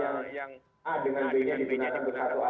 kadang kadang antara a dengan b itu bisa tembak